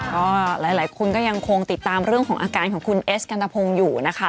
ก็หลายคนก็ยังคงติดตามเรื่องของอาการของคุณเอสกันตะพงศ์อยู่นะคะ